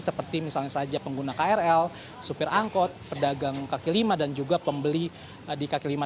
seperti misalnya saja pengguna krl supir angkot pedagang kaki lima dan juga pembeli di kaki lima